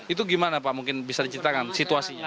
itu gimana pak mungkin bisa diceritakan situasinya